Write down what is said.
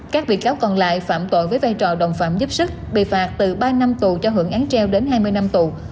các bị cáo còn lại phạm tội với vai trò đồng phạm giúp sức bị phạt từ ba năm tù cho hưởng án treo đến hai mươi năm tù